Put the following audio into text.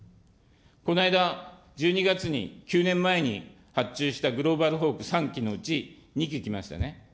この間、１２月に９年前に発注したグローバルホーク３きのうち２機来ましたね。